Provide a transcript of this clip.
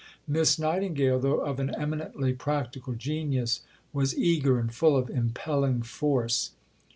Miss Nightingale, though of an eminently practical genius, was eager and full of impelling force.